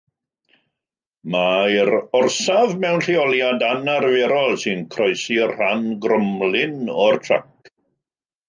Mae'r orsaf mewn lleoliad anarferol sy'n croesi rhan gromlin o'r trac.